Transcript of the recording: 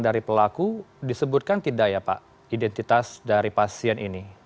dari pelaku disebutkan tidak ya pak identitas dari pasien ini